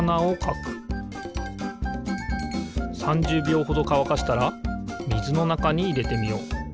３０びょうほどかわかしたらみずのなかにいれてみよう。